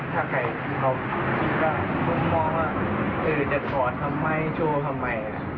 ถ้าใครเขาคิดว่าคนมองว่าจะถอดทำไมโชว์ทำไม